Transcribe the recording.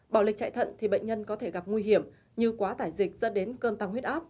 bỏ lịch chạy thận thì bệnh nhân có thể gặp nguy hiểm như quá tải dịch dẫn đến cơn tăng huyết áp